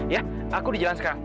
ya aku di jalan sekarang